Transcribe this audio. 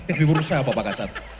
kami berusaha bapak ksad